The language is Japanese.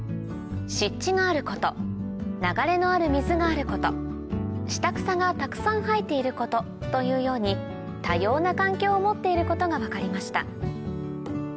湿地があること流れのある水があること下草がたくさん生えていることというように多様な環境を持っていることが分かりました